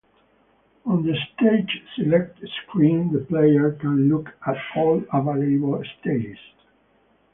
On the stage select screen the player can look at all available stages.